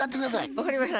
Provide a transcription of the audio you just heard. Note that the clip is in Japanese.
分かりました。